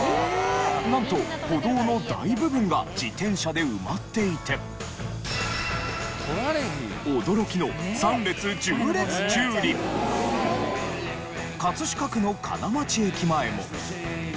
なんと歩道の大部分が自転車で埋まっていて驚きの飾区の金町駅前も。